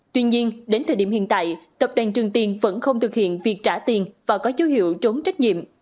tuy nhiên đến thời điểm hiện tại tập đoàn trường tiền vẫn không thực hiện việc trả tiền và có dấu hiệu trốn trách nhiệm